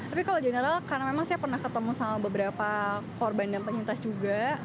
tapi kalau general karena memang saya pernah ketemu sama beberapa korban dan penyintas juga